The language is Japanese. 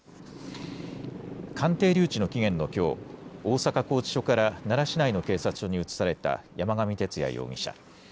鑑定留置の期限のきょう、大阪拘置所から奈良市内の警察署に移された山上徹也容疑者。